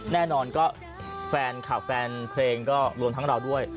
แน่นอนก็แฟนคลับแฟนเพลงก็รวมทั้งเราด้วย